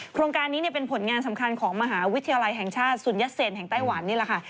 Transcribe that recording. โครงการนี้เป็นผลงานสำคัญของมหาวิทยาลัยแห่งชาติสุนยัสเซนแห่งไต้หวันนี่แหละค่ะ